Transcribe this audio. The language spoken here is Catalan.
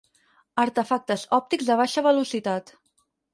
Artefactes òptics de baixa velocitat.